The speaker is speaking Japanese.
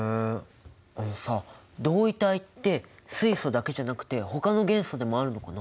あのさ同位体って水素だけじゃなくてほかの元素でもあるのかな？